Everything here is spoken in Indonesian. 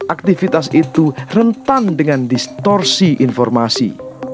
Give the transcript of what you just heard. aktivitas itu rentan dengan distorsi informasi